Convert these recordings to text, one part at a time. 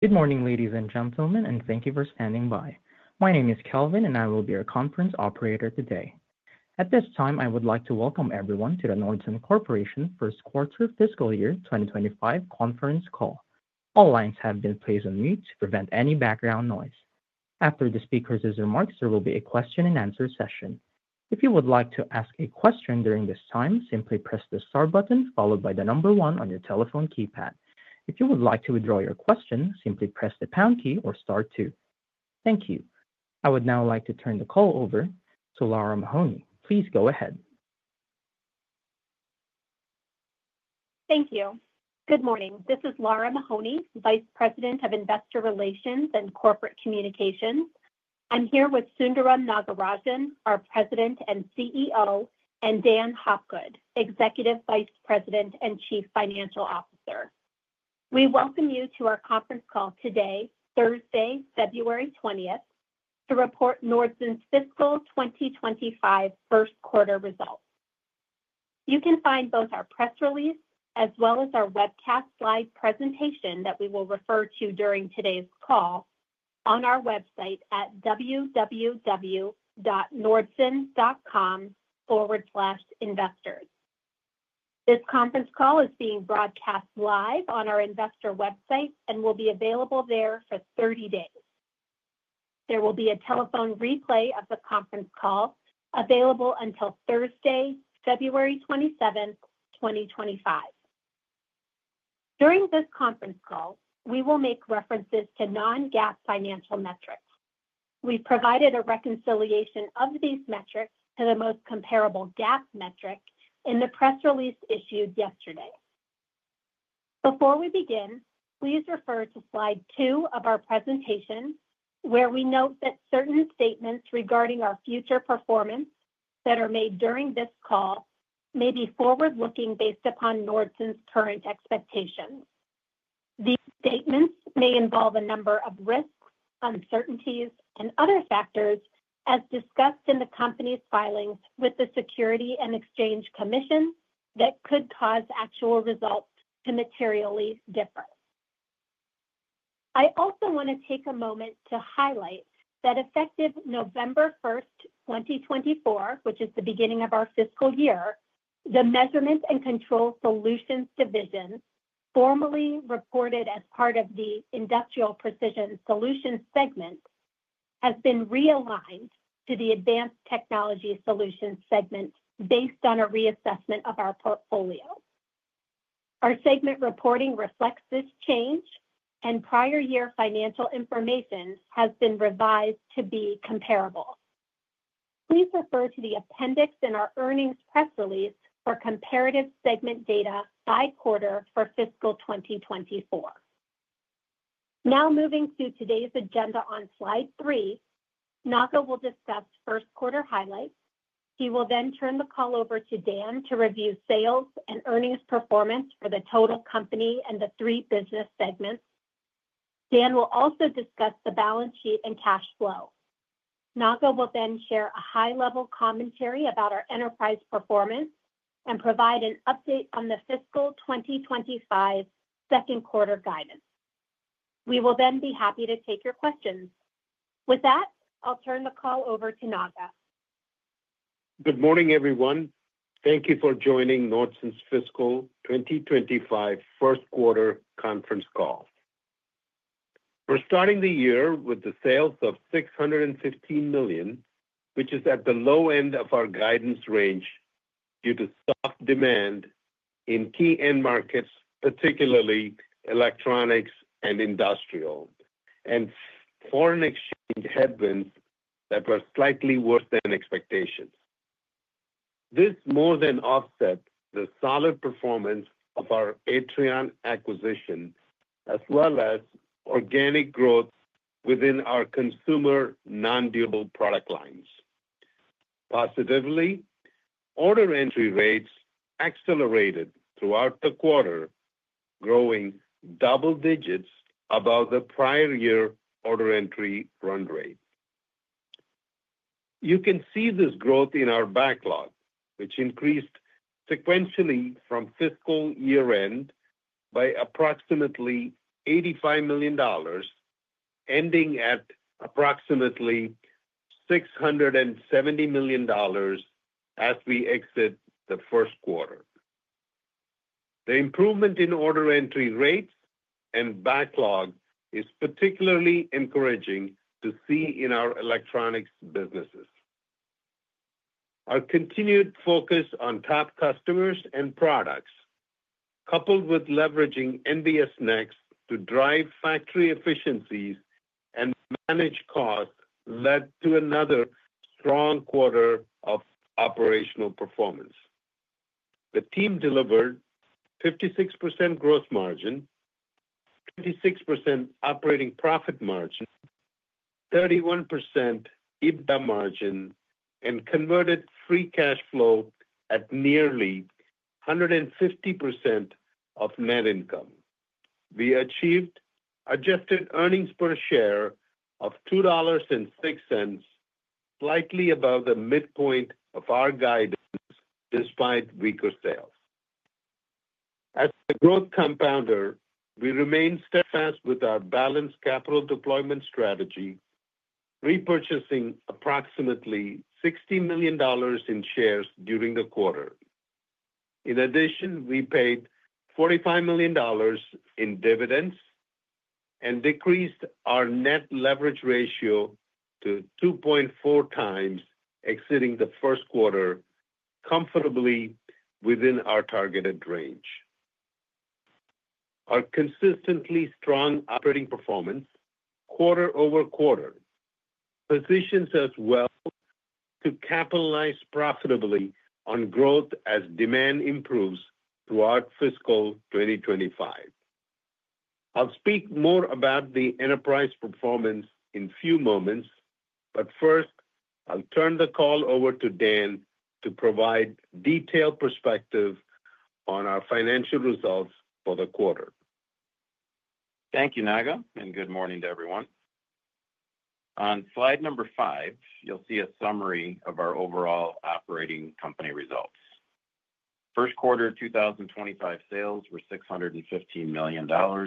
Good morning, ladies and gentlemen, and thank you for standing by. My name is Kelvin, and I will be your conference operator today. At this time, I would like to welcome everyone to the Nordson Corporation first quarter fiscal year 2025 conference call. All lines have been placed on mute to prevent any background noise. After the speaker's remarks, there will be a question-and-answer session. If you would like to ask a question during this time, simply press the star button followed by the number one on your telephone keypad. If you would like to withdraw your question, simply press the pound key or star two. Thank you. I would now like to turn the call over to Lara Mahoney. Please go ahead. Thank you. Good morning. This is Lara Mahoney, Vice President of Investor Relations, and Corporate Communications. I'm here with Sundaram Nagarajan, our President and CEO, and Dan Hopgood, Executive Vice President and Chief Financial Officer. We welcome you to our conference call today, Thursday, February 20th, to report Nordson's fiscal 2025 first quarter results. You can find both our press release as well as our webcast slide presentation that we will refer to during today's call on our website at www.nordson.com/investors. This conference call is being broadcast live on our investor website and will be available there for 30 days. There will be a telephone replay of the conference call available until Thursday, February 27th, 2025. During this conference call, we will make references to non-GAAP financial metrics. We've provided a reconciliation of these metrics to the most comparable GAAP metric in the press release issued yesterday. Before we begin, please refer to slide two of our presentation, where we note that certain statements regarding our future performance that are made during this call may be forward-looking based upon Nordson's current expectations. These statements may involve a number of risks, uncertainties, and other factors, as discussed in the company's filings with the Securities and Exchange Commission, that could cause actual results to materially differ. I also want to take a moment to highlight that effective November 1st, 2024, which is the beginning of our fiscal year, the Measurement and Control Solutions Division, formerly reported as part of the Industrial Precision Solutions segment, has been realigned to the Advanced Technology Solutions segment based on a reassessment of our portfolio. Our segment reporting reflects this change, and prior year financial information has been revised to be comparable. Please refer to the appendix in our earnings press release for comparative segment data by quarter for fiscal 2024. Now, moving to today's agenda on slide three, Naga will discuss first quarter highlights. He will then turn the call over to Dan to review sales and earnings performance for the total company and the three business segments. Dan will also discuss the balance sheet and cash flow. Naga will then share a high-level commentary about our enterprise performance and provide an update on the fiscal 2025 second quarter guidance. We will then be happy to take your questions. With that, I'll turn the call over to Naga. Good morning, everyone. Thank you for joining Nordson's fiscal 2025 first quarter conference call. We're starting the year with sales of $615 million, which is at the low end of our guidance range due to soft demand in key end markets, particularly electronics and industrial, and foreign exchange headwinds that were slightly worse than expectations. This more than offsets the solid performance of our Atrion acquisition, as well as organic growth within our consumer non-durable product lines. Positively, order entry rates accelerated throughout the quarter, growing double digits above the prior year order entry run rate. You can see this growth in our backlog, which increased sequentially from fiscal year-end by approximately $85 million, ending at approximately $670 million as we exit the first quarter. The improvement in order entry rates and backlog is particularly encouraging to see in our electronics businesses. Our continued focus on top customers and products, coupled with leveraging NBS Next to drive factory efficiencies and manage costs, led to another strong quarter of operational performance. The team delivered 56% gross margin, 26% operating profit margin, 31% EBITDA margin, and converted free cash flow at nearly 150% of net income. We achieved adjusted earnings per share of $2.06, slightly above the midpoint of our guidance despite weaker sales. As the growth compounder, we remained steadfast with our balanced capital deployment strategy, repurchasing approximately $60 million in shares during the quarter. In addition, we paid $45 million in dividends and decreased our net leverage ratio to 2.4 times, exceeding the first quarter comfortably within our targeted range. Our consistently strong operating performance, quarter over quarter, positions us well to capitalize profitably on growth as demand improves throughout fiscal 2025. I'll speak more about the enterprise performance in a few moments, but first, I'll turn the call over to Dan to provide detailed perspective on our financial results for the quarter. Thank you, Naga, and good morning to everyone. On slide number five, you'll see a summary of our overall operating company results. First quarter 2025 sales were $615 million, down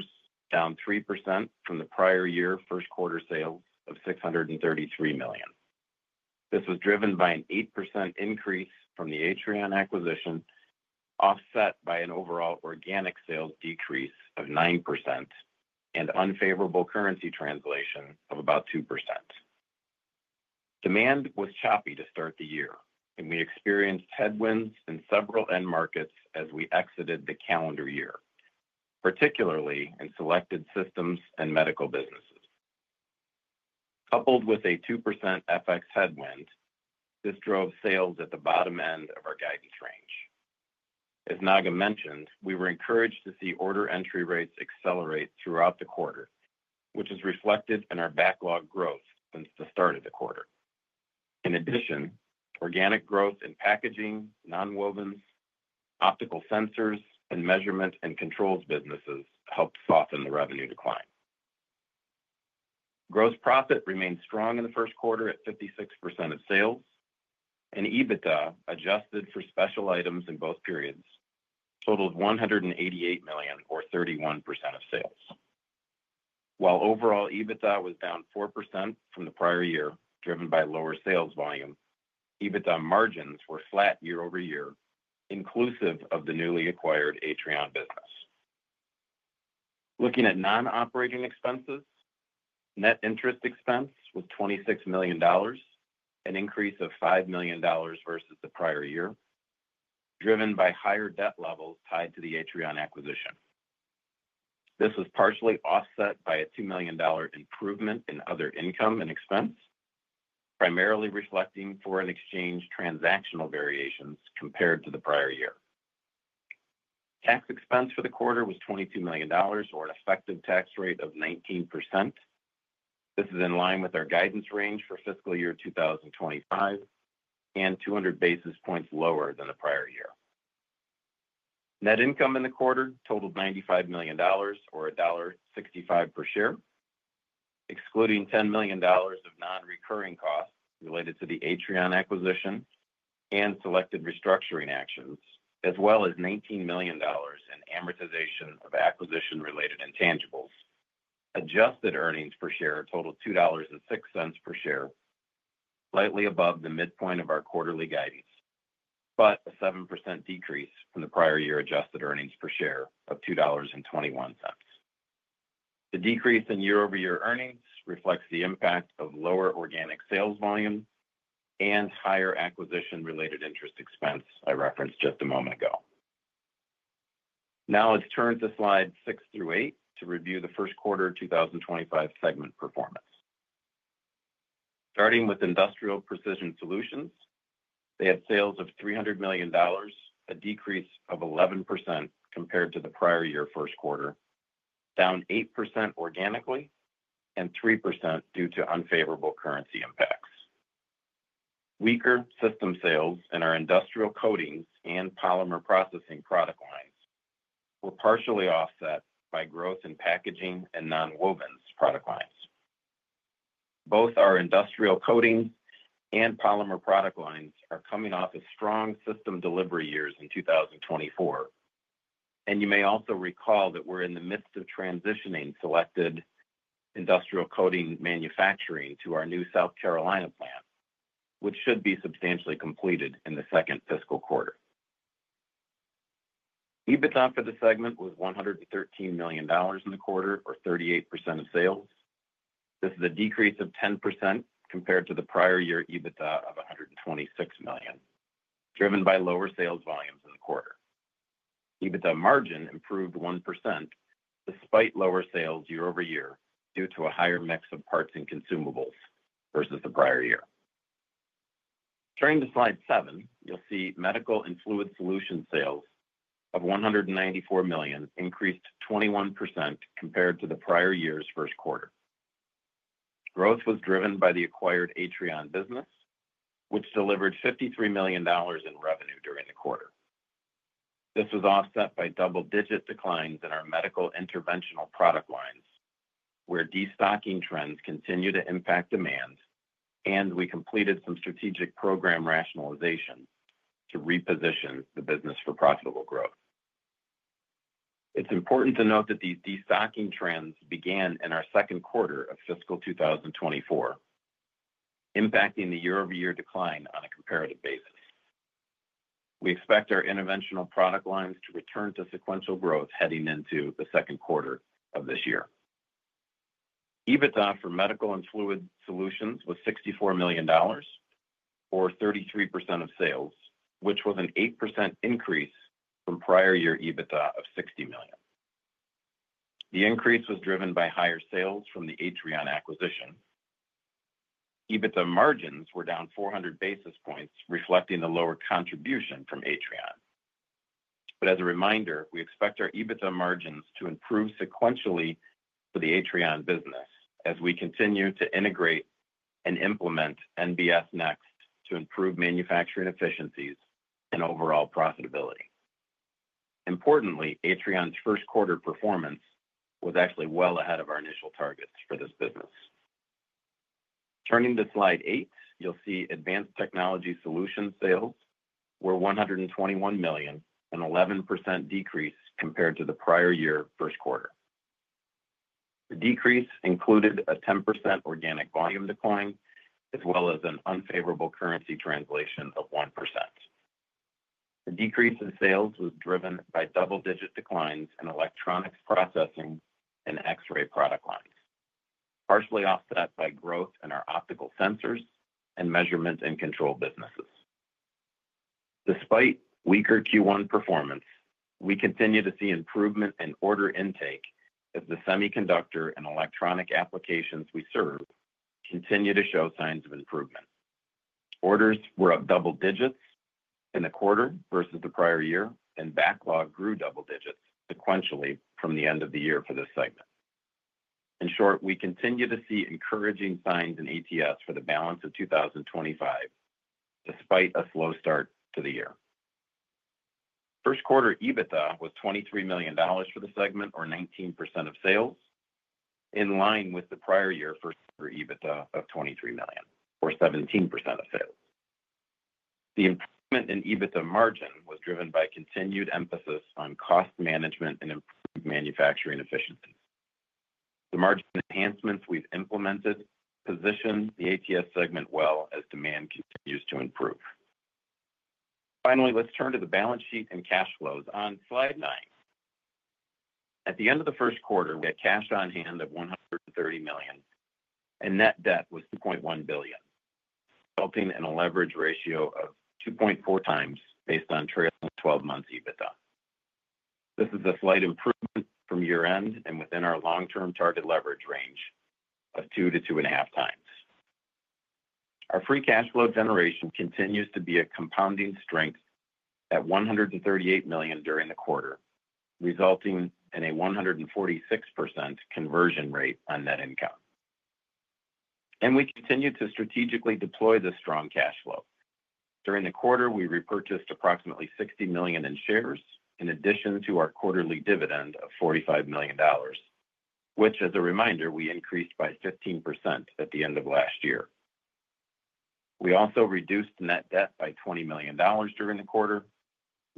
3% from the prior year first quarter sales of $633 million. This was driven by an 8% increase from the Atrion acquisition, offset by an overall organic sales decrease of 9% and unfavorable currency translation of about 2%. Demand was choppy to start the year, and we experienced headwinds in several end markets as we exited the calendar year, particularly in selected systems and medical businesses. Coupled with a 2% FX headwind, this drove sales at the bottom end of our guidance range. As Naga mentioned, we were encouraged to see order entry rates accelerate throughout the quarter, which is reflected in our backlog growth since the start of the quarter. In addition, organic growth in packaging, nonwovens, optical sensors, and measurement and controls businesses helped soften the revenue decline. Gross profit remained strong in the first quarter at 56% of sales, and EBITDA adjusted for special items in both periods totaled $188 million, or 31% of sales. While overall EBITDA was down 4% from the prior year, driven by lower sales volume, EBITDA margins were flat year over year, inclusive of the newly acquired Atrion business. Looking at non-operating expenses, net interest expense was $26 million, an increase of $5 million versus the prior year, driven by higher debt levels tied to the Atrion acquisition. This was partially offset by a $2 million improvement in other income and expense, primarily reflecting foreign exchange transactional variations compared to the prior year. Tax expense for the quarter was $22 million, or an effective tax rate of 19%. This is in line with our guidance range for fiscal year 2025 and 200 basis points lower than the prior year. Net income in the quarter totaled $95 million, or $1.65 per share, excluding $10 million of non-recurring costs related to the Atrion acquisition and selected restructuring actions, as well as $19 million in amortization of acquisition-related intangibles. Adjusted earnings per share totaled $2.06 per share, slightly above the midpoint of our quarterly guidance, but a 7% decrease from the prior year adjusted earnings per share of $2.21. The decrease in year-over-year earnings reflects the impact of lower organic sales volume and higher acquisition-related interest expense I referenced just a moment ago. Now, let's turn to slide six through eight to review the first quarter 2025 segment performance. Starting with Industrial Precision Solutions, they had sales of $300 million, a decrease of 11% compared to the prior year first quarter, down 8% organically and 3% due to unfavorable currency impacts. Weaker system sales in our industrial coatings and polymer processing product lines were partially offset by growth in packaging and nonwovens product lines. Both our industrial coatings and polymer product lines are coming off of strong system delivery years in 2024, and you may also recall that we're in the midst of transitioning selected industrial coating manufacturing to our new South Carolina plant, which should be substantially completed in the second fiscal quarter. EBITDA for the segment was $113 million in the quarter, or 38% of sales. This is a decrease of 10% compared to the prior year EBITDA of $126 million, driven by lower sales volumes in the quarter. EBITDA margin improved 1% despite lower sales year over year due to a higher mix of parts and consumables versus the prior year. Turning to slide seven, you'll see medical and fluid solution sales of $194 million increased 21% compared to the prior year's first quarter. Growth was driven by the acquired Atrion business, which delivered $53 million in revenue during the quarter. This was offset by double-digit declines in our medical interventional product lines, where destocking trends continue to impact demand, and we completed some strategic program rationalization to reposition the business for profitable growth. It's important to note that these destocking trends began in our second quarter of fiscal 2024, impacting the year-over-year decline on a comparative basis. We expect our interventional product lines to return to sequential growth heading into the second quarter of this year. EBITDA for medical and fluid solutions was $64 million, or 33% of sales, which was an 8% increase from prior year EBITDA of $60 million. The increase was driven by higher sales from the Atrion acquisition. EBITDA margins were down 400 basis points, reflecting the lower contribution from Atrion. But as a reminder, we expect our EBITDA margins to improve sequentially for the Atrion business as we continue to integrate and implement NBS Next to improve manufacturing efficiencies and overall profitability. Importantly, Atrion's first quarter performance was actually well ahead of our initial targets for this business. Turning to slide eight, you'll see advanced technology solution sales were $121 million, an 11% decrease compared to the prior year first quarter. The decrease included a 10% organic volume decline, as well as an unfavorable currency translation of 1%. The decrease in sales was driven by double-digit declines in electronics processing and X-ray product lines, partially offset by growth in our optical sensors and measurement and control businesses. Despite weaker Q1 performance, we continue to see improvement in order intake as the semiconductor and electronic applications we serve continue to show signs of improvement. Orders were up double digits in the quarter versus the prior year, and backlog grew double digits sequentially from the end of the year for this segment. In short, we continue to see encouraging signs in ETS for the balance of 2025, despite a slow start to the year. First quarter EBITDA was $23 million for the segment, or 19% of sales, in line with the prior year first quarter EBITDA of $23 million, or 17% of sales. The improvement in EBITDA margin was driven by continued emphasis on cost management and improved manufacturing efficiencies. The margin enhancements we've implemented position the ATS segment well as demand continues to improve. Finally, let's turn to the balance sheet and cash flows on slide nine. At the end of the first quarter, we had cash on hand of $130 million, and net debt was $2.1 billion, resulting in a leverage ratio of 2.4x based on trailing 12 months EBITDA. This is a slight improvement from year-end and within our long-term target leverage range of 2-2.5x. Our free cash flow generation continues to be a compounding strength at $138 million during the quarter, resulting in a 146% conversion rate on net income. And we continue to strategically deploy this strong cash flow. During the quarter, we repurchased approximately $60 million in shares, in addition to our quarterly dividend of $45 million, which, as a reminder, we increased by 15% at the end of last year. We also reduced net debt by $20 million during the quarter,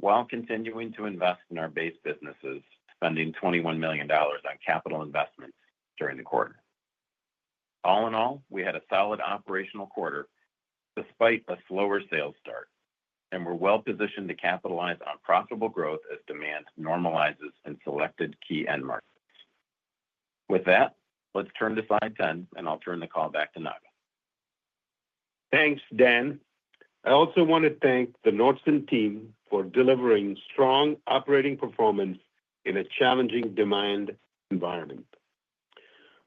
while continuing to invest in our base businesses, spending $21 million on capital investments during the quarter. All in all, we had a solid operational quarter despite a slower sales start, and we're well positioned to capitalize on profitable growth as demand normalizes in selected key end markets. With that, let's turn to slide 10, and I'll turn the call back to Naga. Thanks, Dan. I also want to thank the Nordson team for delivering strong operating performance in a challenging demand environment.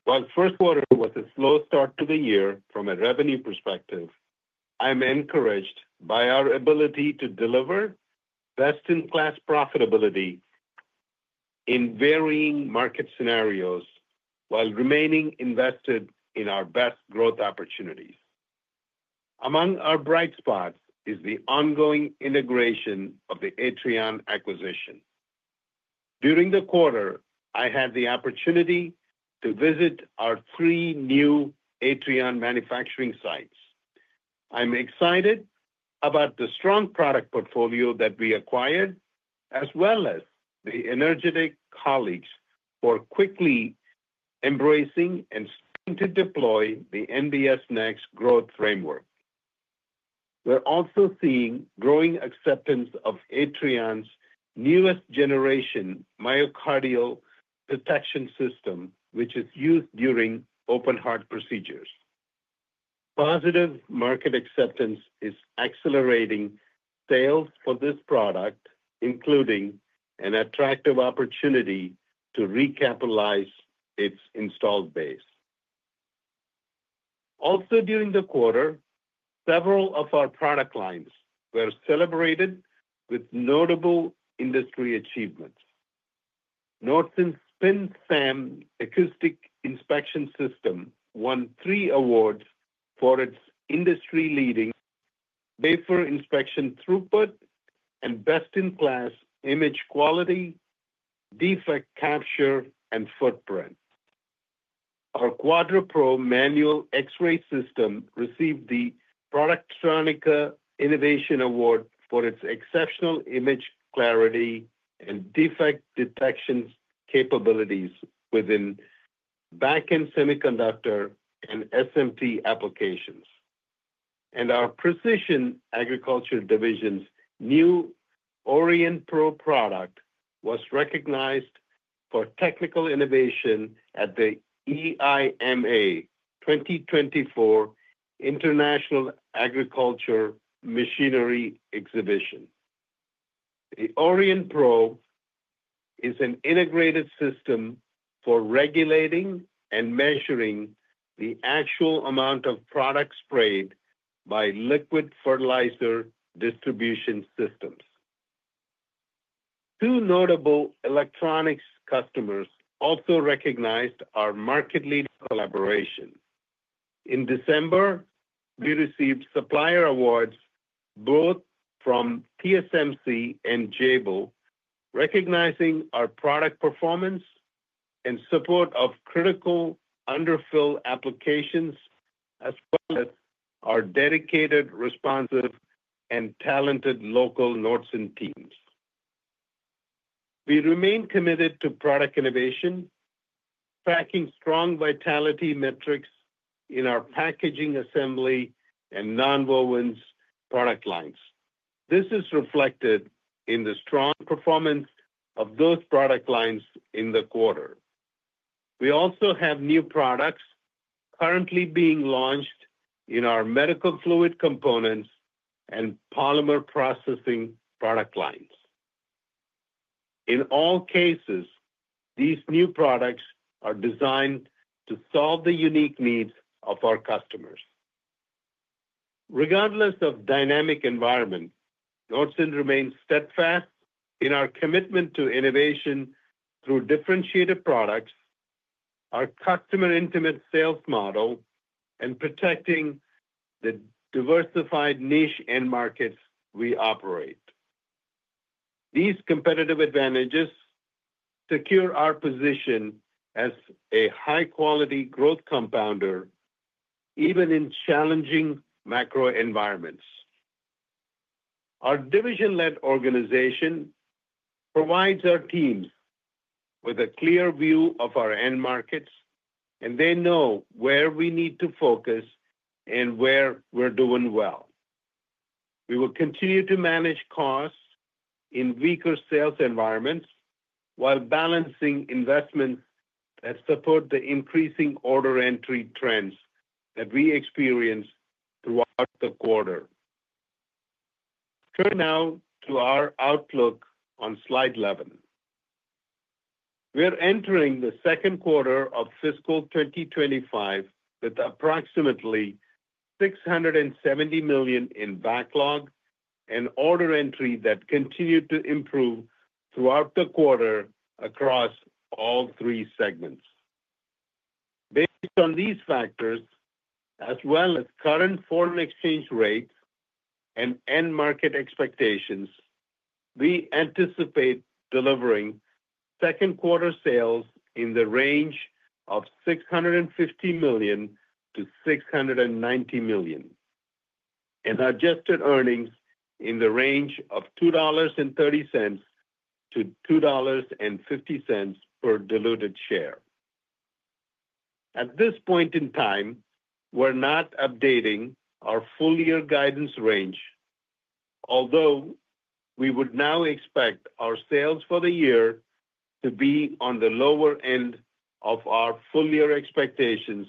While the first quarter was a slow start to the year from a revenue perspective, I'm encouraged by our ability to deliver best-in-class profitability in varying market scenarios while remaining invested in our best growth opportunities. Among our bright spots is the ongoing integration of the Atrion acquisition. During the quarter, I had the opportunity to visit our three new Atrion manufacturing sites. I'm excited about the strong product portfolio that we acquired, as well as the energetic colleagues for quickly embracing and starting to deploy the NBS Next growth framework. We're also seeing growing acceptance of Atrion's newest generation Myocardial Protection System, which is used during open-heart procedures. Positive market acceptance is accelerating sales for this product, including an attractive opportunity to recapitalize its installed base. Also, during the quarter, several of our product lines were celebrated with notable industry achievements. Nordson SpinSAM Acoustic Inspection System won three awards for its industry-leading vapor inspection throughput and best-in-class image quality, defect capture, and footprint. Our Quadra Pro manual X-ray system received the Productronica Innovation Award for its exceptional image clarity and defect detection capabilities within back-end semiconductor and SMT applications. And our Precision Agriculture division's new Orient Pro product was recognized for technical innovation at the EIMA 2024 International Agriculture Machinery Exhibition. The Orient Pro is an integrated system for regulating and measuring the actual amount of product sprayed by liquid fertilizer distribution systems. Two notable electronics customers also recognized our market-leading collaboration. In December, we received supplier awards both from TSMC and Jabil, recognizing our product performance and support of critical underfill applications, as well as our dedicated, responsive, and talented local Nordson teams. We remain committed to product innovation, tracking strong vitality metrics in our packaging assembly and nonwovens product lines. This is reflected in the strong performance of those product lines in the quarter. We also have new products currently being launched in our medical fluid components and polymer processing product lines. In all cases, these new products are designed to solve the unique needs of our customers. Regardless of dynamic environment, Nordson remains steadfast in our commitment to innovation through differentiated products, our customer-intimate sales model, and protecting the diversified niche end markets we operate. These competitive advantages secure our position as a high-quality growth compounder, even in challenging macro environments. Our division-led organization provides our teams with a clear view of our end markets, and they know where we need to focus and where we're doing well. We will continue to manage costs in weaker sales environments while balancing investments that support the increasing order entry trends that we experience throughout the quarter. Turn now to our outlook on slide 11. We're entering the second quarter of fiscal 2025 with approximately $670 million in backlog and order entry that continued to improve throughout the quarter across all three segments. Based on these factors, as well as current foreign exchange rates and end market expectations, we anticipate delivering second quarter sales in the range of $650 million-$690 million, and adjusted earnings in the range of $2.30-$2.50 per diluted share. At this point in time, we're not updating our full-year guidance range, although we would now expect our sales for the year to be on the lower end of our full-year expectations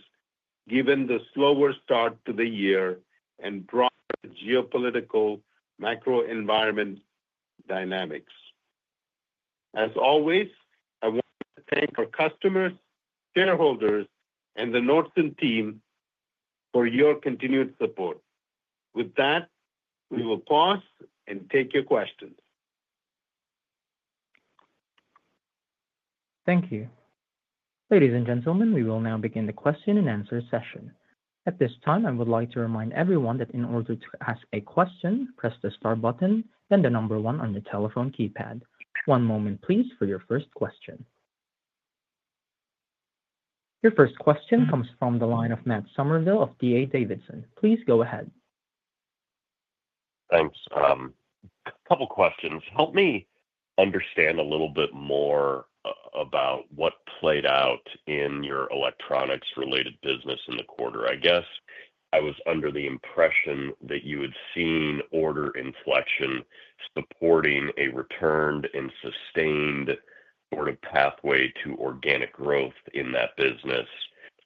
given the slower start to the year and broader geopolitical macro environment dynamics. As always, I want to thank our customers, shareholders, and the Nordson team for your continued support. With that, we will pause and take your questions. Thank you. Ladies and gentlemen, we will now begin the question and answer session. At this time, I would like to remind everyone that in order to ask a question, press the star button, then the number one on the telephone keypad. One moment, please, for your first question. Your first question comes from the line of Matt Somerville of D.A. Davidson. Please go ahead. Thanks. A couple of questions. Help me understand a little bit more about what played out in your electronics-related business in the quarter? I guess I was under the impression that you had seen order inflection supporting a returned and sustained sort of pathway to organic growth in that business.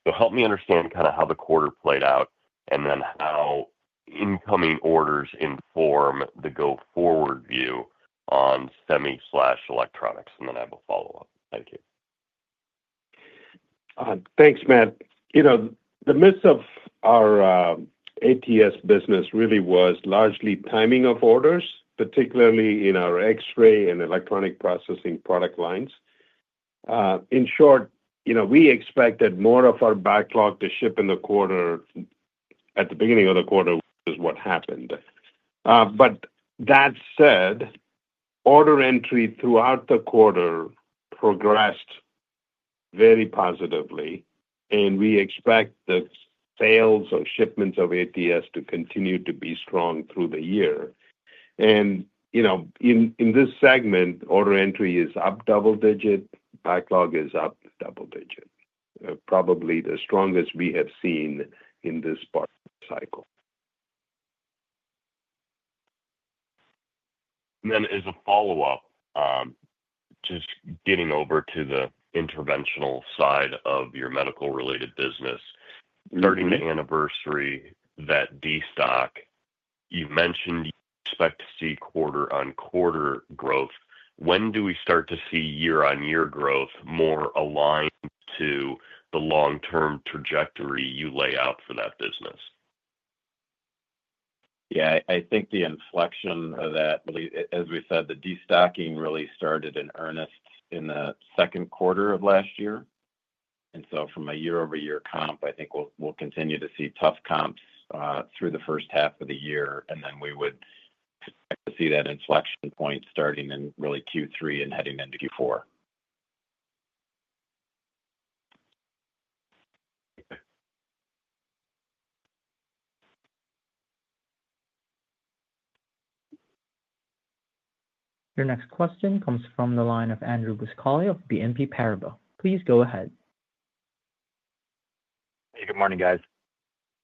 So help me understand kind of how the quarter played out, and then how incoming orders inform the go-forward view on semi/electronics? And then I will follow up. Thank you. Thanks, Matt. The miss in our ATS business really was largely timing of orders, particularly in our X-ray and electronics dispense product lines. In short, we expected more of our backlog to ship in the quarter at the beginning of the quarter, which is what happened. But that said, order entry throughout the quarter progressed very positively, and we expect the sales or shipments of ATS to continue to be strong through the year. In this segment, order entry is up double digit, backlog is up double digit, probably the strongest we have seen in this part of the cycle. And then, as a follow-up, just getting over to the interventional side of your medical-related business, 30th anniversary of that business, you mentioned you expect to see quarter-on-quarter growth. When do we start to see year-on-year growth more aligned to the long-term trajectory you lay out for that business? Yeah, I think the inflection of that, as we said, the destocking really started in earnest in the second quarter of last year. And so from a year-over-year comp, I think we'll continue to see tough comps through the first half of the year, and then we would expect to see that inflection point starting in really Q3 and heading into Q4. Your next question comes from the line of Andrew Buscaglio of BNP Paribas. Please go ahead. Hey, good morning, guys.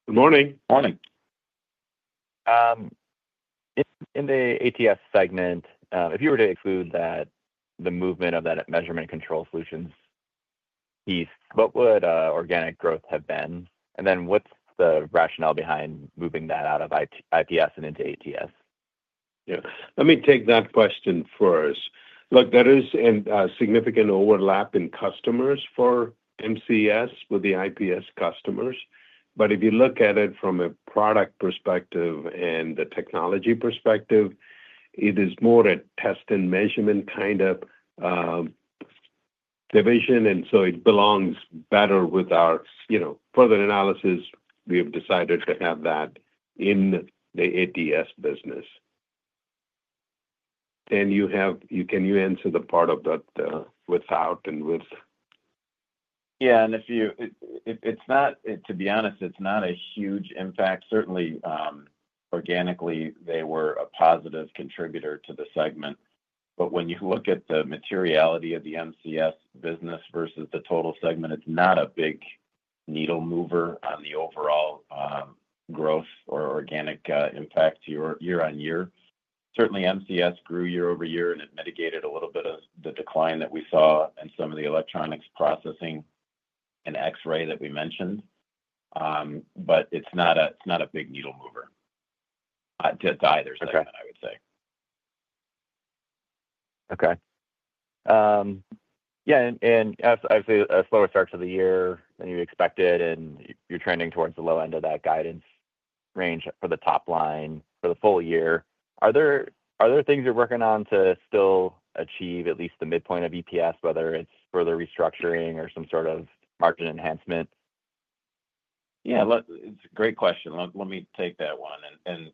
Good morning. Morning. In the ATS segment, if you were to exclude the movement of that measurement and control solutions piece, what would organic growth have been? And then what's the rationale behind moving that out of IPS and into ATS? Yeah. Let me take that question first. Look, there is a significant overlap in customers for MCS with the IPS customers. But if you look at it from a product perspective and the technology perspective, it is more a test and measurement kind of division, and so it belongs better with our further analysis. We have decided to have that in the ATS business. Then can you answer the part of that without and with? Yeah. And to be honest, it's not a huge impact. Certainly, organically, they were a positive contributor to the segment. But when you look at the materiality of the MCS business versus the total segment, it's not a big needle-mover on the overall growth or organic impact year-on-year. Certainly, MCS grew year-over-year, and it mitigated a little bit of the decline that we saw in some of the electronics processing and X-ray that we mentioned. But it's not a big needle-mover. It's either segment, I would say. Okay. Yeah. And obviously, a slower start to the year than you expected, and you're trending towards the low end of that guidance range for the top line for the full year. Are there things you're working on to still achieve at least the midpoint of EPS, whether it's further restructuring or some sort of margin enhancement? Yeah. It's a great question. Let me take that one. And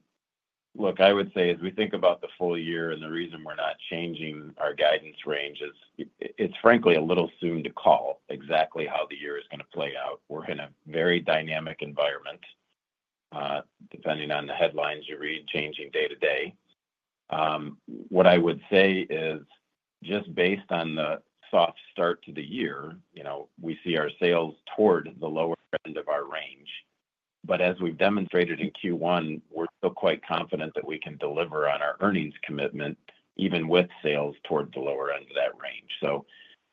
look, I would say as we think about the full year and the reason we're not changing our guidance range is it's frankly a little soon to call exactly how the year is going to play out. We're in a very dynamic environment, depending on the headlines you read, changing day to day. What I would say is just based on the soft start to the year, we see our sales toward the lower end of our range. But as we've demonstrated in Q1, we're still quite confident that we can deliver on our earnings commitment, even with sales toward the lower end of that range. So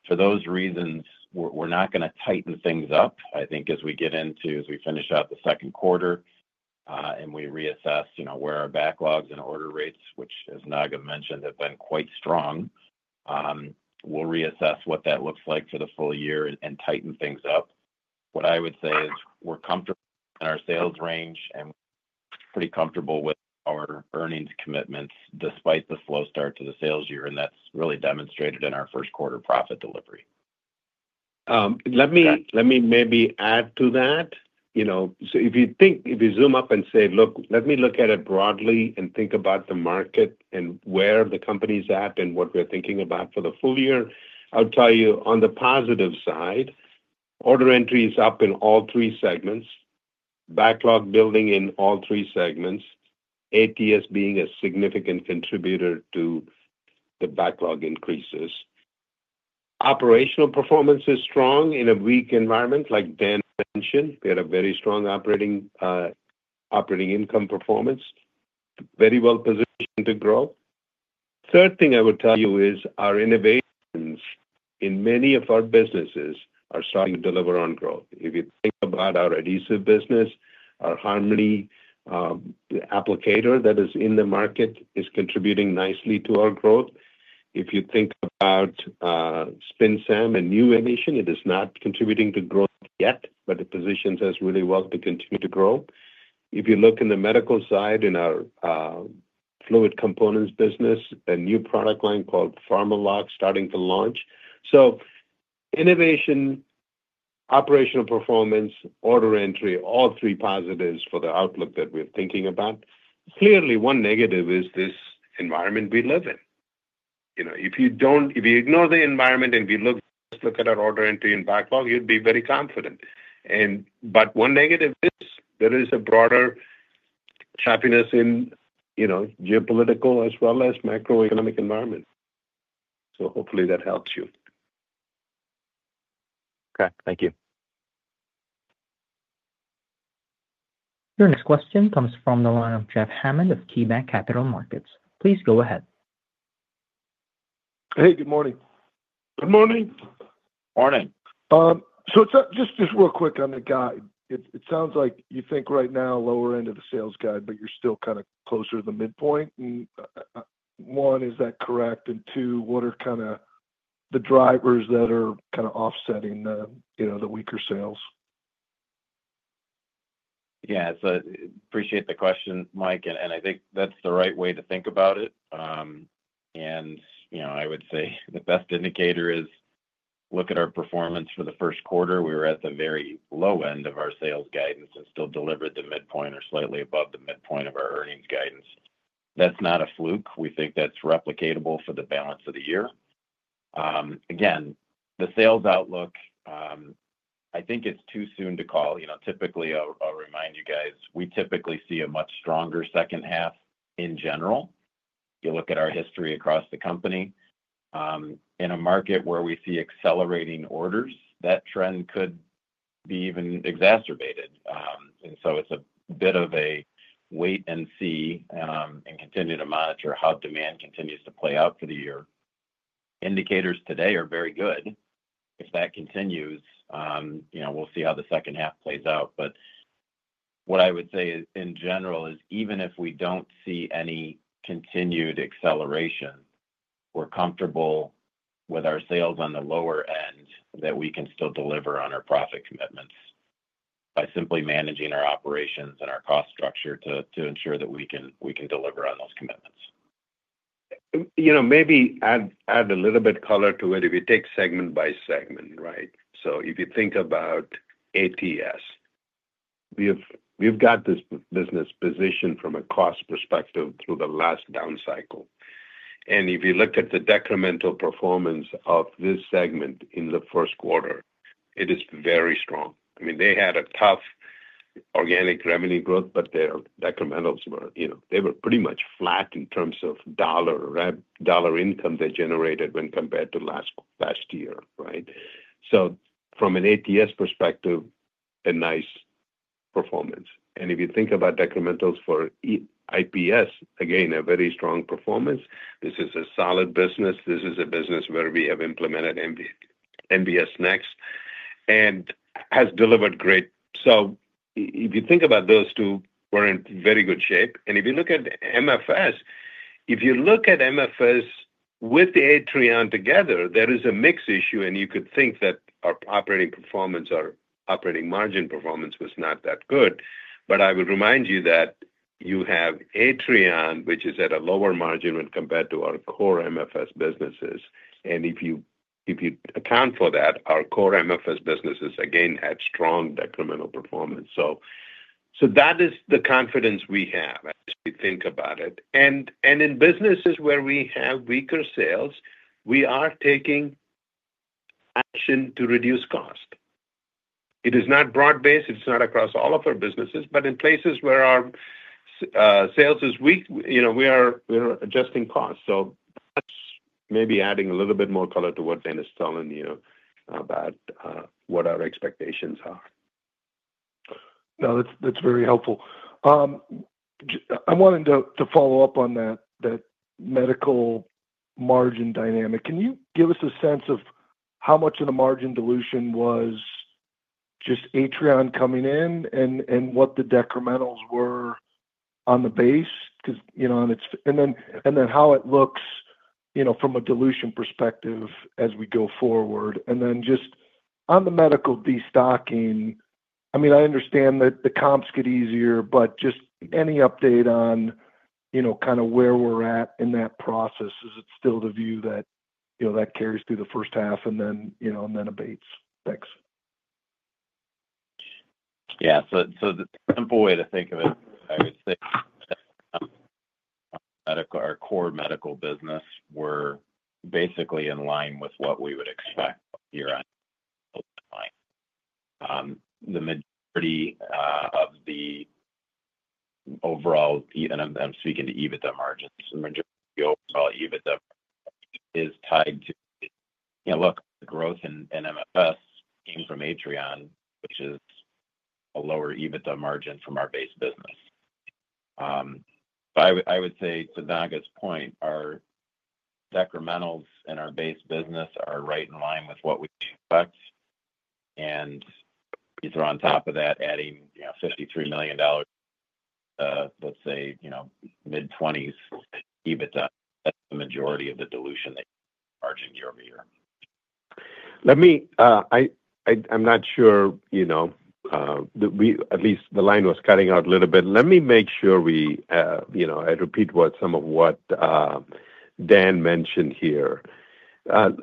for those reasons, we're not going to tighten things up. I think as we get into, as we finish out the second quarter and we reassess where our backlogs and order rates, which, as Naga mentioned, have been quite strong, we'll reassess what that looks like for the full year and tighten things up. What I would say is we're comfortable in our sales range, and we're pretty comfortable with our earnings commitments despite the slow start to the sales year. And that's really demonstrated in our first quarter profit delivery. Let me maybe add to that. So if you think, if you zoom up and say, Look, let me look at it broadly and think about the market and where the company's at and what we're thinking about for the full year, I'll tell you on the positive side, order entry is up in all three segments, backlog building in all three segments, ATS being a significant contributor to the backlog increases. Operational performance is strong in a weak environment, like Dan mentioned. We had a very strong operating income performance, very well positioned to grow. Third thing I would tell you is our innovations in many of our businesses are starting to deliver on growth. If you think about our adhesive business, our Harmony applicator that is in the market is contributing nicely to our growth. If you think about SpinSAM and new innovation, it is not contributing to growth yet, but the position has really worked to continue to grow. If you look in the medical side in our fluid components business, a new product line called PharmaLok starting to launch. So innovation, operational performance, order entry, all three positives for the outlook that we're thinking about. Clearly, one negative is this environment we live in. If you ignore the environment and we just look at our order entry and backlog, you'd be very confident. But one negative is there is a broader unhappiness in geopolitical as well as macroeconomic environment. So hopefully that helps you. Okay. Thank you. Your next question comes from the line of Jeff Hammond of KeyBanc Capital Markets. Please go ahead. Hey, good morning. Good morning. Morning. So, just real quick on the guide. It sounds like you think right now, lower end of the sales guide, but you're still kind of closer to the midpoint. One, is that correct? And two, what are kind of the drivers that are kind of offsetting the weaker sales? Yeah, so I appreciate the question, Mike, and I think that's the right way to think about it, and I would say the best indicator is look at our performance for the first quarter. We were at the very low end of our sales guidance and still delivered the midpoint or slightly above the midpoint of our earnings guidance. That's not a fluke. We think that's replicable for the balance of the year. Again, the sales outlook, I think it's too soon to call. Typically, I'll remind you guys, we typically see a much stronger second half in general. You look at our history across the company. In a market where we see accelerating orders, that trend could be even exacerbated, and so it's a bit of a wait and see and continue to monitor how demand continues to play out for the year. Indicators today are very good. If that continues, we'll see how the second half plays out. But what I would say in general is even if we don't see any continued acceleration, we're comfortable with our sales on the lower end that we can still deliver on our profit commitments by simply managing our operations and our cost structure to ensure that we can deliver on those commitments. Maybe add a little bit of color to it if you take segment by segment, right? So if you think about ATS, we've got this business positioned from a cost perspective through the last down cycle. And if you look at the decremental performance of this segment in the first quarter, it is very strong. I mean, they had a tough organic revenue growth, but their decrementals were pretty much flat in terms of dollar income they generated when compared to last year, right? So from an ATS perspective, a nice performance. And if you think about decrementals for IPS, again, a very strong performance. This is a solid business. This is a business where we have implemented NBS Next and has delivered great. So if you think about those two, we're in very good shape. If you look at MFS, if you look at MFS with Atrion together, there is a mixed issue, and you could think that our operating performance or operating margin performance was not that good. But I would remind you that you have Atrion, which is at a lower margin when compared to our core MFS businesses. And if you account for that, our core MFS businesses, again, had strong decremental performance. So that is the confidence we have as we think about it. And in businesses where we have weaker sales, we are taking action to reduce cost. It is not broad-based. It is not across all of our businesses. But in places where our sales is weak, we are adjusting costs. So that's maybe adding a little bit more color to what Dan is telling you about what our expectations are. No, that's very helpful. I wanted to follow up on that medical margin dynamic. Can you give us a sense of how much of the margin dilution was just Atrion coming in and what the decrementals were on the base? And then how it looks from a dilution perspective as we go forward. And then just on the medical destocking, I mean, I understand that the comps get easier, but just any update on kind of where we're at in that process, is it still the view that that carries through the first half and then abates? Thanks. Yeah. So the simple way to think of it, I would say our core medical business were basically in line with what we would expect year-end. The majority above the overall, and I'm speaking to EBITDA margins, the majority of the overall EBITDA is tied to, look, the growth in MFS came from Atrion, which is a lower EBITDA margin from our base business. But I would say to Naga's point, our decrementals in our base business are right in line with what we expect. And if you throw on top of that, adding $53 million, let's say mid-20s EBITDA, that's the majority of the dilution that you're charging year over year. I'm not sure, at least the line was cutting out a little bit. Let me make sure I repeat some of what Dan mentioned here.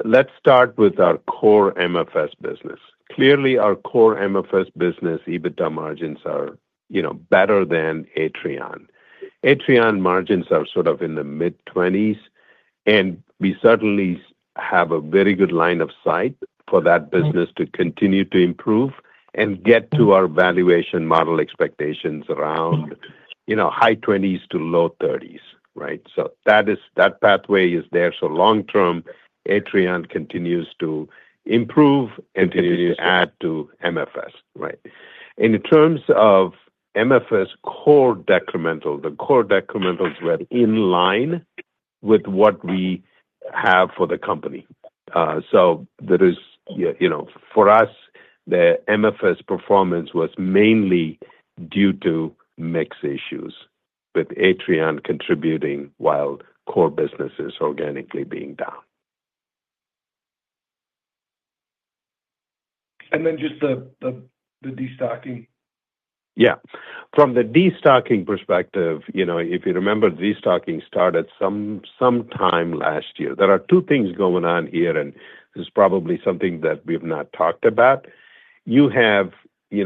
Let's start with our core MFS business. Clearly, our core MFS business EBITDA margins are better than Atrion. Atrion margins are sort of in the mid-20s, and we certainly have a very good line of sight for that business to continue to improve and get to our valuation model expectations around high 20s-low 30s, right? That pathway is there, so long-term, Atrion continues to improve and continues to add to MFS, right? In terms of MFS core decremental, the core decrementals were in line with what we have for the company, so for us, the MFS performance was mainly due to mixed issues with Atrion contributing while core businesses organically being down. And then just the destocking. Yeah. From the destocking perspective, if you remember, destocking started sometime last year. There are two things going on here, and this is probably something that we have not talked about. You have we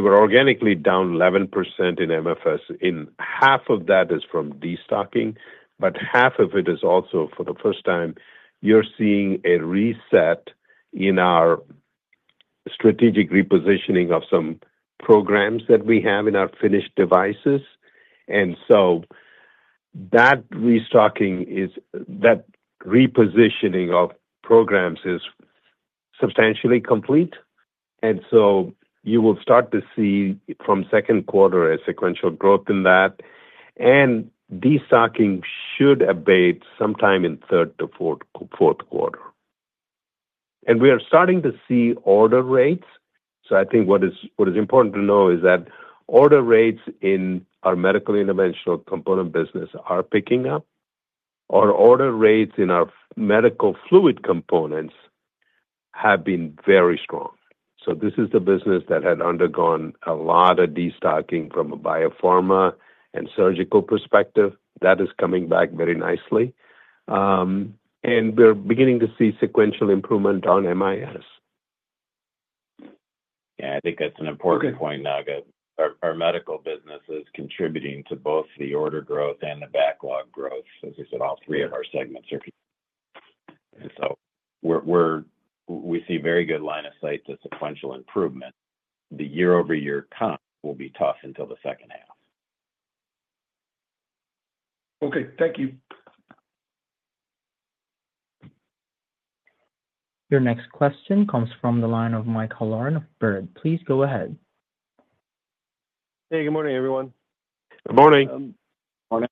were organically down 11% in MFS. Half of that is from destocking, but half of it is also for the first time, you're seeing a reset in our strategic repositioning of some programs that we have in our finished devices. And so that repositioning of programs is substantially complete. And so you will start to see from second quarter a sequential growth in that. And destocking should abate sometime in third to fourth quarter. And we are starting to see order rates. So I think what is important to know is that order rates in our medical interventional component business are picking up. Our order rates in our medical fluid components have been very strong. So this is the business that had undergone a lot of destocking from a biopharma and surgical perspective. That is coming back very nicely. And we're beginning to see sequential improvement on MIS. Yeah. I think that's an important point, Naga. Our medical business is contributing to both the order growth and the backlog growth. As I said, all three of our segments are here. And so we see a very good line of sight to sequential improvement. The year-over-year comp will be tough until the second half. Okay. Thank you. Your next question comes from the line of Michael Halloran of Baird. Please go ahead. Hey, good morning, everyone. Good morning. Morning.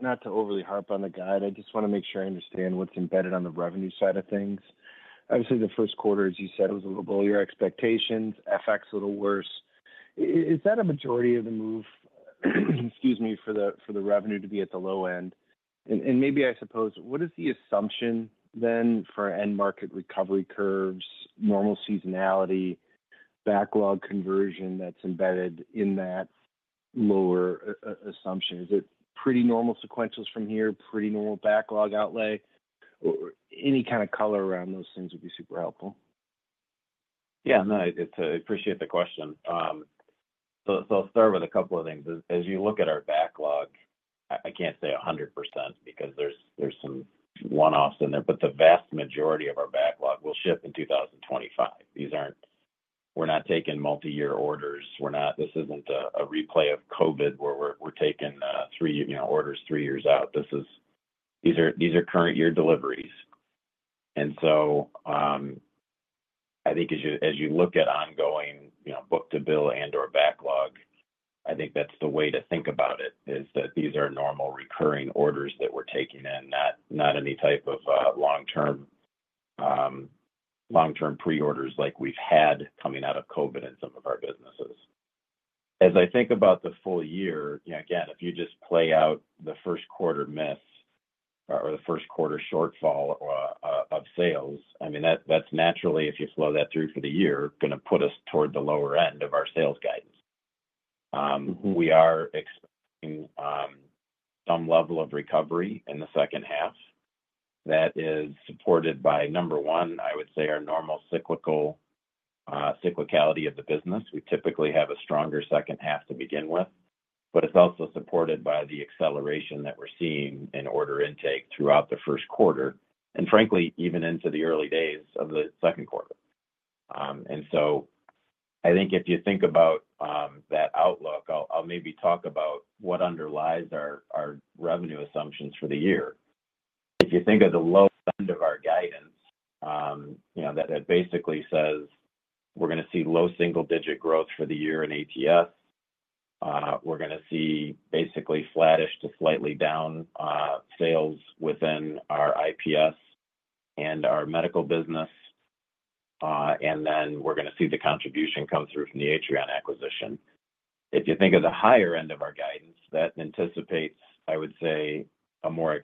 Not to overly harp on the guide, I just want to make sure I understand what's embedded on the revenue side of things. Obviously, the first quarter, as you said, was a little below your expectations. FX a little worse. Is that a majority of the move? Excuse me, for the revenue to be at the low end, and maybe I suppose, what is the assumption then for end market recovery curves, normal seasonality, backlog conversion that's embedded in that lower assumption? Is it pretty normal sequentials from here, pretty normal backlog outlay? Any kind of color around those things would be super helpful. Yeah. No, I appreciate the question. So I'll start with a couple of things. As you look at our backlog, I can't say 100% because there's some one-offs in there, but the vast majority of our backlog will shift in 2025. We're not taking multi-year orders. This isn't a replay of COVID where we're taking orders three years out. These are current year deliveries. And so I think as you look at ongoing book to bill and/or backlog, I think that's the way to think about it is that these are normal recurring orders that we're taking in, not any type of long-term pre-orders like we've had coming out of COVID in some of our businesses. As I think about the full year, again, if you just play out the first quarter miss or the first quarter shortfall of sales, I mean, that's naturally, if you flow that through for the year, going to put us toward the lower end of our sales guidance. We are expecting some level of recovery in the second half. That is supported by, number one, I would say our normal cyclicality of the business. We typically have a stronger second half to begin with, but it's also supported by the acceleration that we're seeing in order intake throughout the first quarter and, frankly, even into the early days of the second quarter, and so I think if you think about that outlook, I'll maybe talk about what underlies our revenue assumptions for the year. If you think of the low end of our guidance, that basically says we're going to see low single-digit growth for the year in ATS. We're going to see basically flattish to slightly down sales within our IPS and our medical business. And then we're going to see the contribution come through from the Atrion acquisition. If you think of the higher end of our guidance, that anticipates, I would say, a more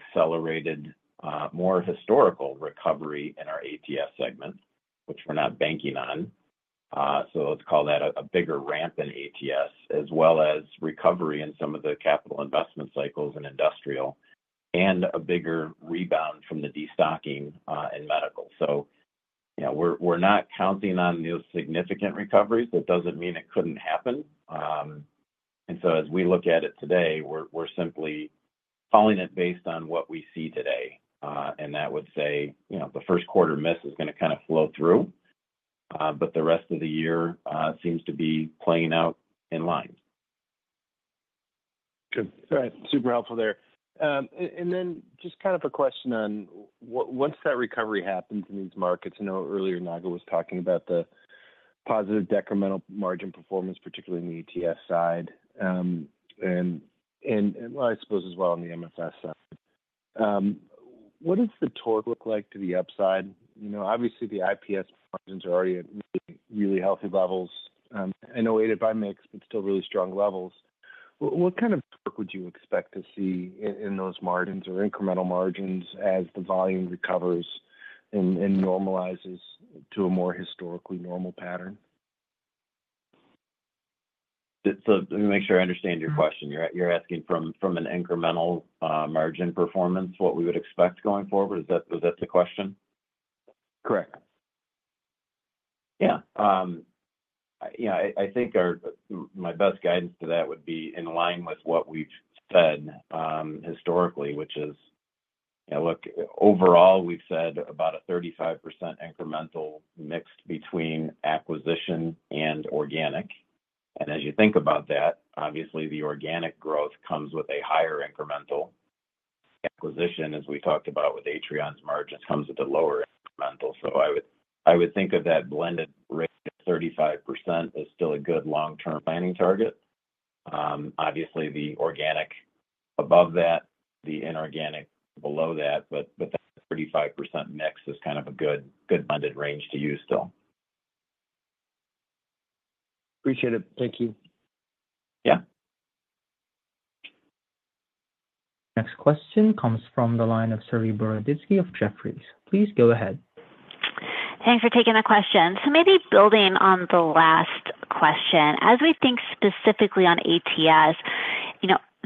accelerated, more historical recovery in our ATS segment, which we're not banking on. So let's call that a bigger ramp in ATS, as well as recovery in some of the capital investment cycles in industrial and a bigger rebound from the destocking in medical. So we're not counting on those significant recoveries. That doesn't mean it couldn't happen. And so as we look at it today, we're simply calling it based on what we see today. That would say the first quarter miss is going to kind of flow through, but the rest of the year seems to be playing out in line. Good. All right. Super helpful there. And then just kind of a question on once that recovery happens in these markets, I know earlier Naga was talking about the positive decremental margin performance, particularly in the ETS side, and I suppose as well on the MFS side. What does the torque look like to the upside? Obviously, the IPS margins are already at really healthy levels, I know aided by mix, but still really strong levels. What kind of torque would you expect to see in those margins or incremental margins as the volume recovers and normalizes to a more historically normal pattern? So let me make sure I understand your question. You're asking from an incremental margin performance what we would expect going forward? Is that the question? Correct. Yeah. I think my best guidance to that would be in line with what we've said historically, which is, look, overall, we've said about a 35% incremental mix between acquisition and organic. And as you think about that, obviously, the organic growth comes with a higher incremental. Acquisition, as we talked about with Atrion's margins, comes with a lower incremental. So I would think of that blended rate of 35% as still a good long-term planning target. Obviously, the organic above that, the inorganic below that, but that 35% mix is kind of a good blended range to use still. Appreciate it. Thank you. Yeah. Next question comes from the line of Saree Boroditsky of Jefferies. Please go ahead. Thanks for taking the question. So maybe building on the last question, as we think specifically on ATS,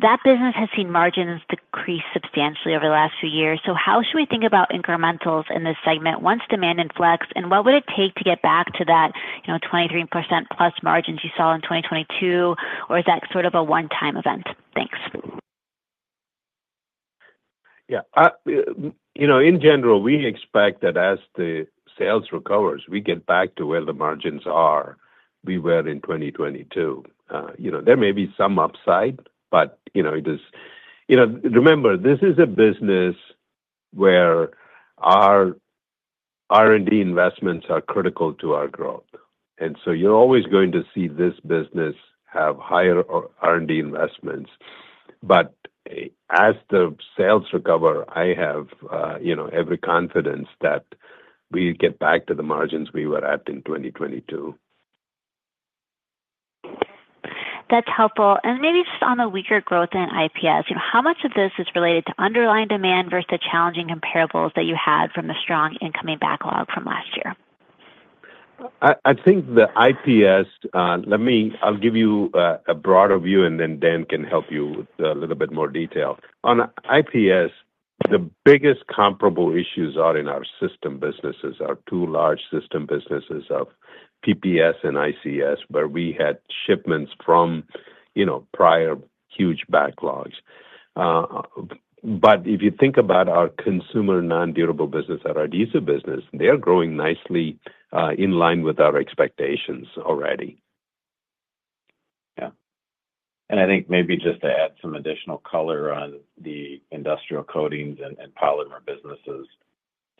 that business has seen margins decrease substantially over the last few years. So how should we think about incrementals in this segment once demand inflects? And what would it take to get back to that 23% plus margins you saw in 2022? Or is that sort of a one-time event? Thanks. Yeah. In general, we expect that as the sales recovers, we get back to where the margins were in 2022. There may be some upside, but remember, this is a business where our R&D investments are critical to our growth, and so you're always going to see this business have higher R&D investments, but as the sales recover, I have every confidence that we get back to the margins we were at in 2022. That's helpful. And maybe just on the weaker growth in IPS, how much of this is related to underlying demand versus the challenging comparables that you had from the strong incoming backlog from last year? I think the IPS, I'll give you a broader view, and then Dan can help you with a little bit more detail. On IPS, the biggest comparable issues are in our system businesses, our two large system businesses of PPS and ICS, where we had shipments from prior huge backlogs. But if you think about our consumer non-durable business, our adhesive business, they're growing nicely in line with our expectations already. Yeah. And I think maybe just to add some additional color on the industrial coatings and polymer businesses,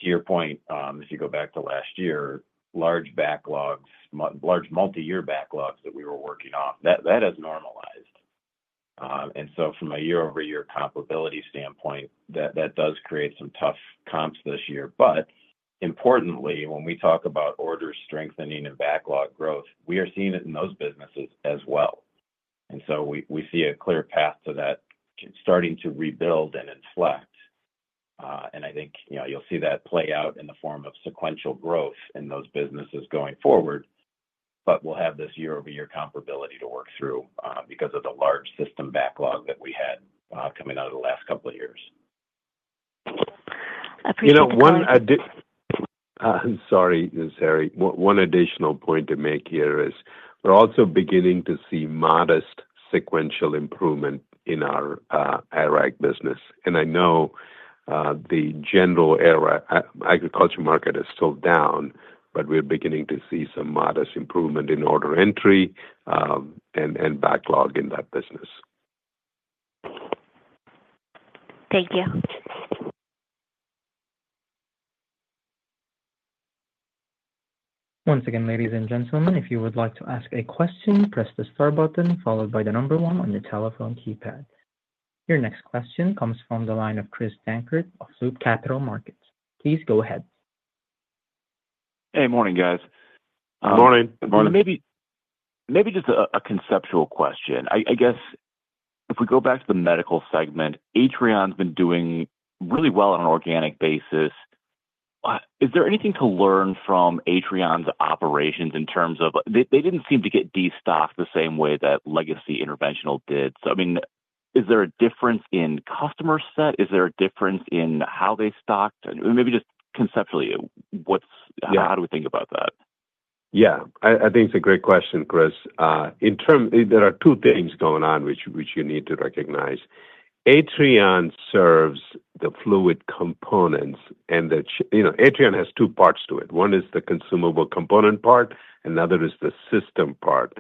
to your point, if you go back to last year, large multi-year backlogs that we were working off, that has normalized. And so from a year-over-year comparability standpoint, that does create some tough comps this year. But importantly, when we talk about order strengthening and backlog growth, we are seeing it in those businesses as well. And so we see a clear path to that starting to rebuild and inflect. And I think you'll see that play out in the form of sequential growth in those businesses going forward. But we'll have this year-over-year comparability to work through because of the large system backlog that we had coming out of the last couple of years. I'm sorry, Seree. One additional point to make here is we're also beginning to see modest sequential improvement in our ARAG business. And I know the general agriculture market is still down, but we're beginning to see some modest improvement in order entry and backlog in that business. Thank you. Once again, ladies and gentlemen, if you would like to ask a question, press the star button followed by the number one on your telephone keypad. Your next question comes from the line of Chris Dankert of Loop Capital Markets. Please go ahead. Hey, morning, guys. Morning. Good morning. Maybe just a conceptual question. I guess if we go back to the medical segment, Atrion's been doing really well on an organic basis. Is there anything to learn from Atrion's operations in terms of they didn't seem to get destocked the same way that legacy interventional did. So I mean, is there a difference in customer set? Is there a difference in how they stocked? And maybe just conceptually, how do we think about that? Yeah. I think it's a great question, Chris. There are two things going on which you need to recognize. Atrion serves the fluid components, and Atrion has two parts to it. One is the consumable component part, and another is the system part.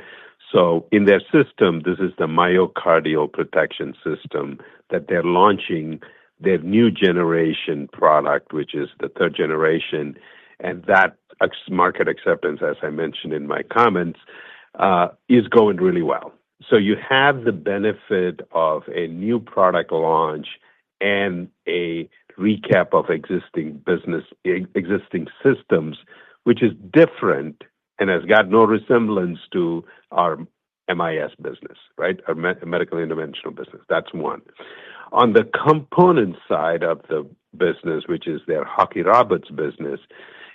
So in their system, this is the Myocardial Protection System that they're launching their new generation product, which is the third generation, and that market acceptance, as I mentioned in my comments, is going really well, so you have the benefit of a new product launch and a recap of existing systems, which is different and has got no resemblance to our MIS business, right? Our medical interventional business. That's one. On the component side of the business, which is their Halkey-Roberts business,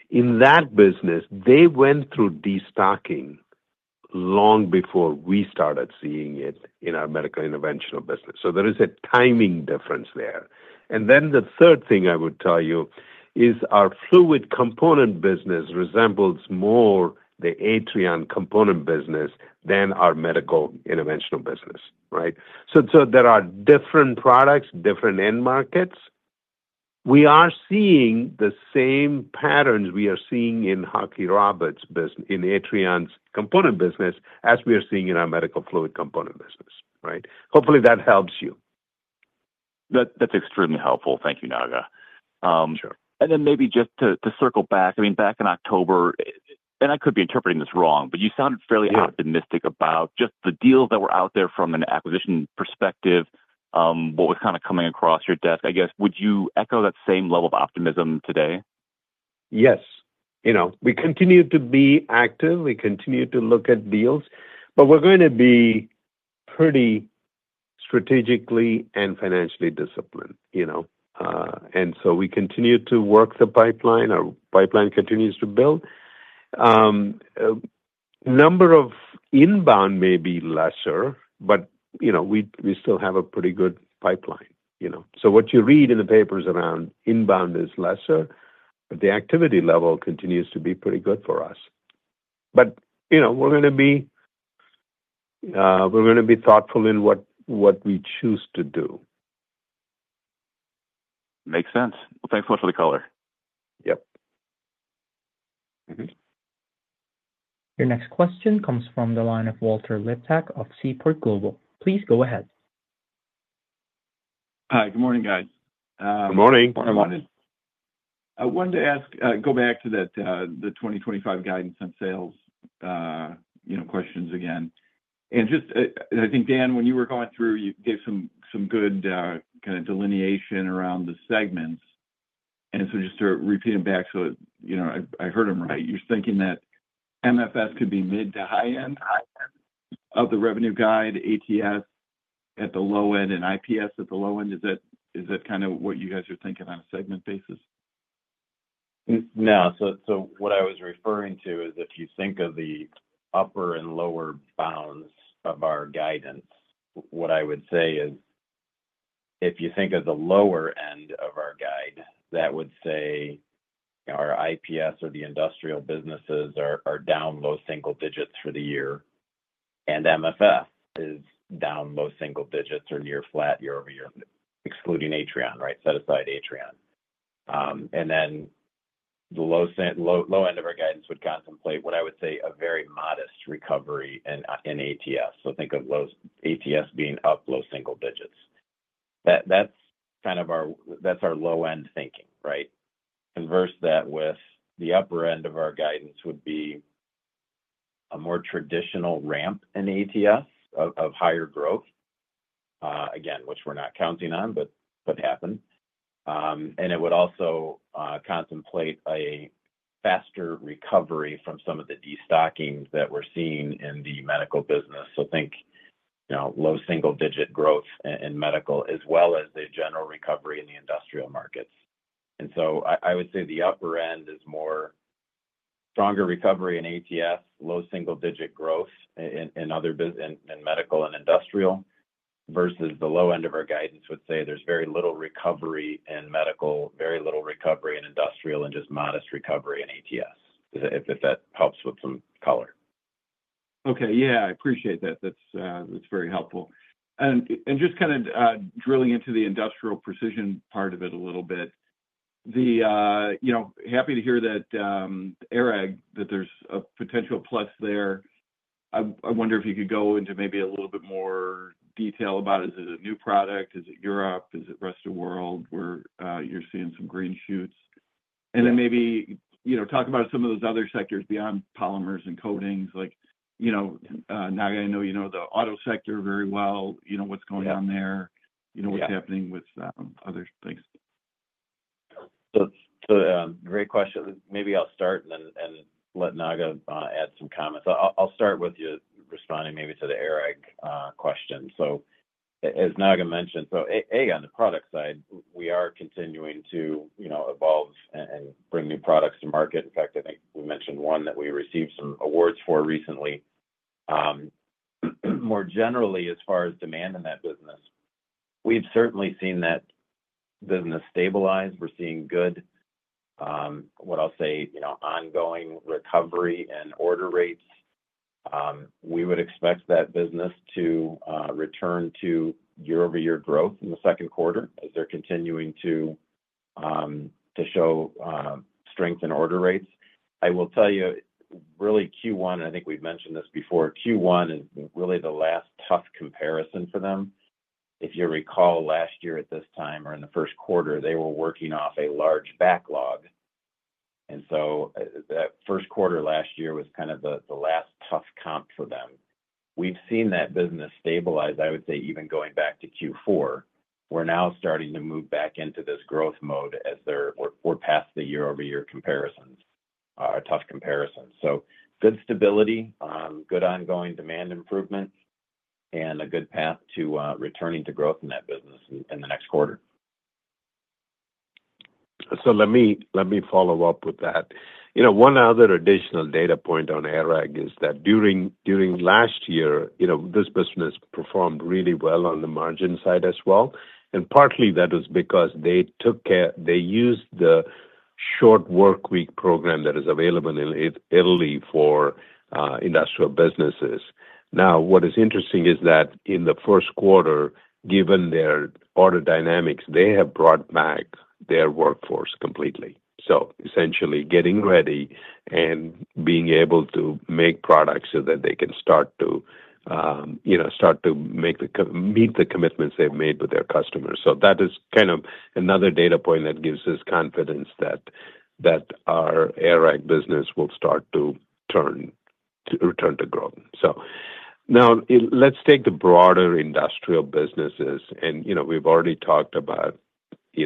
in that business, they went through destocking long before we started seeing it in our medical interventional business. So there is a timing difference there. And then the third thing I would tell you is our fluid component business resembles more the Atrion component business than our medical interventional business, right? So there are different products, different end markets. We are seeing the same patterns we are seeing in Halkey-Roberts' business, in Atrion's component business, as we are seeing in our medical fluid component business, right? Hopefully, that helps you. That's extremely helpful. Thank you, Naga. And then maybe just to circle back, I mean, back in October, and I could be interpreting this wrong, but you sounded fairly optimistic about just the deals that were out there from an acquisition perspective, what was kind of coming across your desk, I guess, would you echo that same level of optimism today? Yes. We continue to be active. We continue to look at deals, but we're going to be pretty strategically and financially disciplined. And so we continue to work the pipeline. Our pipeline continues to build. Number of inbound may be lesser, but we still have a pretty good pipeline. So what you read in the papers around inbound is lesser, but the activity level continues to be pretty good for us. But we're going to be thoughtful in what we choose to do. Makes sense. Thanks so much for the color. Yep. Your next question comes from the line of Walter Liptak of Seaport Global. Please go ahead. Hi. Good morning, guys. Good morning. Morning, Martin. I wanted to ask, go back to the 2025 guidance on sales questions again. And I think, Dan, when you were going through, you gave some good kind of delineation around the segments. And so just to repeat it back so I heard him right, you're thinking that MFS could be mid to high end of the revenue guide, ATS at the low end, and IPS at the low end. Is that kind of what you guys are thinking on a segment basis? No. So what I was referring to is if you think of the upper and lower bounds of our guidance, what I would say is if you think of the lower end of our guide, that would say our IPS or the industrial businesses are down low single digits for the year. And MFS is down low single digits or near flat year-over-year, excluding Atrion, right? Set aside Atrion. And then the low end of our guidance would contemplate what I would say a very modest recovery in ATS. So think of ATS being up low single digits. That's kind of our low-end thinking, right? Converse that with the upper end of our guidance would be a more traditional ramp in ATS of higher growth, again, which we're not counting on, but happened. It would also contemplate a faster recovery from some of the destocking that we're seeing in the medical business. So think low single-digit growth in medical as well as a general recovery in the industrial markets. And so I would say the upper end is more stronger recovery in ATS, low single-digit growth in medical and industrial versus the low end of our guidance would say there's very little recovery in medical, very little recovery in industrial, and just modest recovery in ATS, if that helps with some color. Okay. Yeah. I appreciate that. That's very helpful. And just kind of drilling into the industrial precision part of it a little bit, happy to hear that ARAG, that there's a potential plus there. I wonder if you could go into maybe a little bit more detail about it. Is it a new product? Is it Europe? Is it the rest of the world where you're seeing some green shoots? And then maybe talk about some of those other sectors beyond polymers and coatings. Naga, I know you know the auto sector very well. What's going on there? What's happening with other things? Great question. Maybe I'll start and let Naga add some comments. I'll start with you responding maybe to the ARAG question. As Naga mentioned, a, on the product side, we are continuing to evolve and bring new products to market. In fact, I think we mentioned one that we received some awards for recently. More generally, as far as demand in that business, we've certainly seen that business stabilize. We're seeing good, what I'll say, ongoing recovery in order rates. We would expect that business to return to year-over-year growth in the second quarter as they're continuing to show strength in order rates. I will tell you, really, Q1, and I think we've mentioned this before, Q1 is really the last tough comparison for them. If you recall last year at this time or in the first quarter, they were working off a large backlog. And so that first quarter last year was kind of the last tough comp for them. We've seen that business stabilize, I would say, even going back to Q4. We're now starting to move back into this growth mode as we're past the year-over-year comparisons, our tough comparisons. So good stability, good ongoing demand improvement, and a good path to returning to growth in that business in the next quarter. So let me follow up with that. One other additional data point on ARAG is that during last year, this business performed really well on the margin side as well. And partly that was because they used the short workweek program that is available in Italy for industrial businesses. Now, what is interesting is that in the first quarter, given their order dynamics, they have brought back their workforce completely. So essentially getting ready and being able to make products so that they can start to meet the commitments they've made with their customers. So that is kind of another data point that gives us confidence that our ARAG business will start to return to growth. So now let's take the broader industrial businesses. And we've already talked about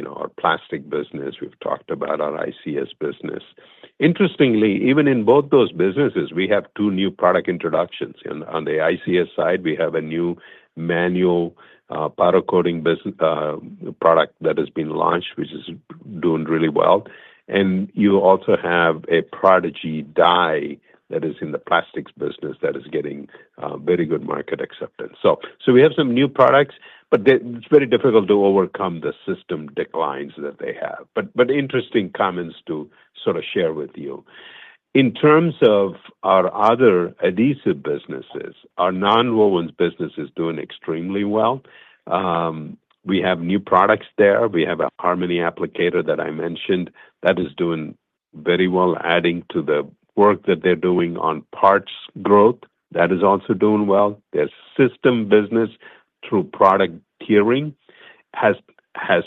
our plastic business. We've talked about our ICS business. Interestingly, even in both those businesses, we have two new product introductions. On the ICS side, we have a new manual powder coating product that has been launched, which is doing really well. And you also have a Prodigy die that is in the plastics business that is getting very good market acceptance. So we have some new products, but it's very difficult to overcome the system declines that they have. But interesting comments to sort of share with you. In terms of our other adhesive businesses, our nonwoven business is doing extremely well. We have new products there. We have a Harmony applicator that I mentioned that is doing very well, adding to the work that they're doing on parts growth. That is also doing well. Their system business through product tiering has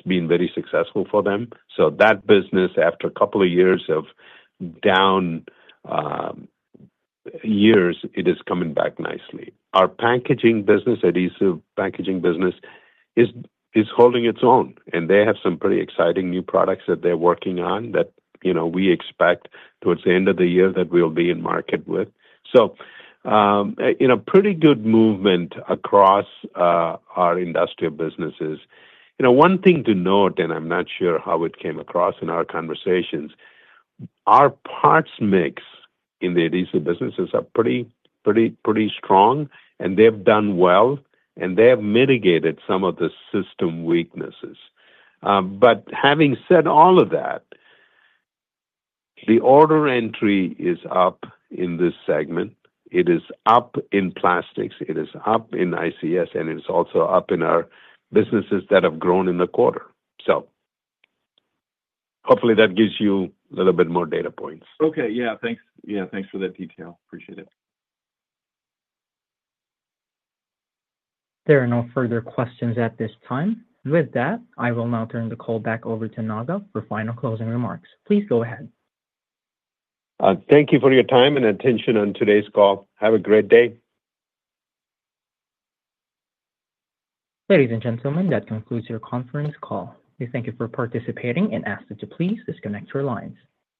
been very successful for them. So that business, after a couple of years of down years, it is coming back nicely. Our packaging business, adhesive packaging business, is holding its own. And they have some pretty exciting new products that they're working on that we expect towards the end of the year that we'll be in market with. So pretty good movement across our industrial businesses. One thing to note, and I'm not sure how it came across in our conversations, our parts mix in the adhesive businesses are pretty strong, and they've done well, and they have mitigated some of the system weaknesses. But having said all of that, the order entry is up in this segment. It is up in plastics. It is up in ICS, and it's also up in our businesses that have grown in the quarter. So hopefully that gives you a little bit more data points. Okay. Yeah. Thanks for that detail. Appreciate it. There are no further questions at this time. With that, I will now turn the call back over to Naga for final closing remarks. Please go ahead. Thank you for your time and attention on today's call. Have a great day. Ladies and gentlemen, that concludes your conference call. We thank you for participating and ask that you please disconnect your lines.